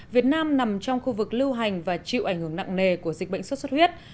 việt nam nằm trong khu vực lưu hành và chịu ảnh hưởng nặng nề của dịch bệnh xuất xuất huyết